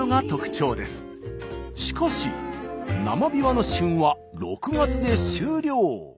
しかし生びわの旬は６月で終了。